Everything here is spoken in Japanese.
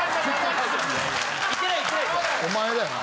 お前だよな。